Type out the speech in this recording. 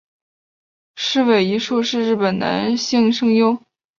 矢尾一树是日本男性声优。